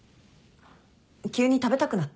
急に食べたくなって。